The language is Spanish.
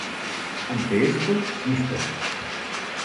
Ante esto, Mr.